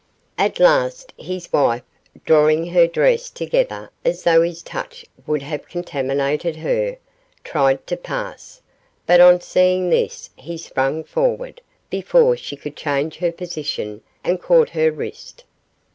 At last, his wife, drawing her dress together as though his touch would have contaminated her, tried to pass, but on seeing this he sprang forward, before she could change her position, and caught her wrist.